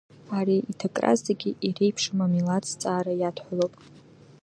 Ари иҭакра зегьы иреиԥшым, амилаҭ зҵаара иадҳәалоуп.